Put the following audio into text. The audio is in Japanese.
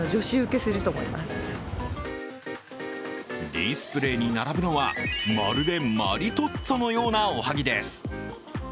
ディスプレーに並ぶのは、まるでマリトッツォのようなおはぎです。